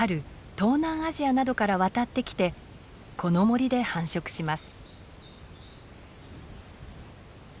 東南アジアなどから渡ってきてこの森で繁殖します。